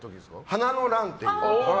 「花の乱」っていう。